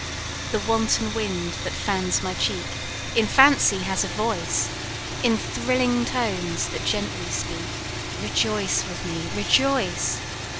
"The wanton wind that fans my cheek, In fancy has a voice, In thrilling tones that gently speak Rejoice with me, rejoice!